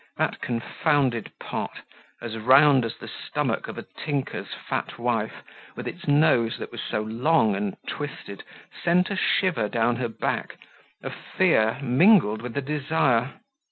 That confounded pot, as round as the stomach of a tinker's fat wife, with its nose that was so long and twisted, sent a shiver down her back, a fear mingled with a desire.